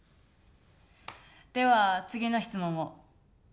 では次の質問を。